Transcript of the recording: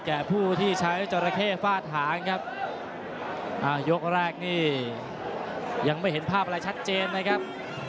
ผู้ที่ใช้จราเข้ฟาดหางครับอ่ายกแรกนี่ยังไม่เห็นภาพอะไรชัดเจนนะครับ